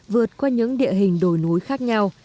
vượt qua những địa hình đồi núi khác nhau